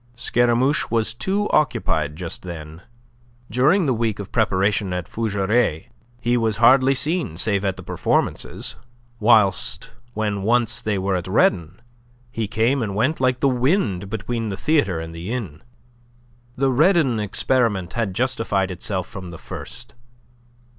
Scaramouche was too occupied just then. During the week of preparation at Fougeray, he was hardly seen save at the performances, whilst when once they were at Redon, he came and went like the wind between the theatre and the inn. The Redon experiment had justified itself from the first.